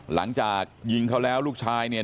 หลังจากยิงเขาแล้วลูกชายเนี่ย